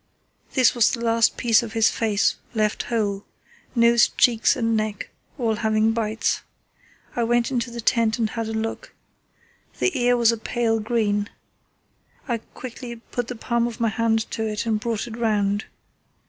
This was the last piece of his face left whole—nose, cheeks, and neck all having bites. I went into the tent and had a look. The ear was a pale green. I quickly put the palm of my hand to it and brought it round.